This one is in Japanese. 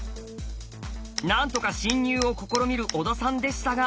なんとか侵入を試みる小田さんでしたが。